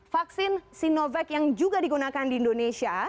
vaksin sinovac yang juga digunakan di indonesia